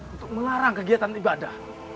untuk melarang kegiatan ibadah